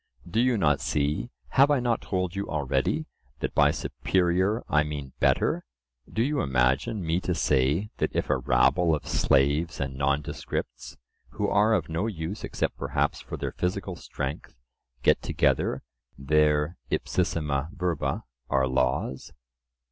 do you not see—have I not told you already, that by superior I mean better: do you imagine me to say, that if a rabble of slaves and nondescripts, who are of no use except perhaps for their physical strength, get together, their ipsissima verba are laws?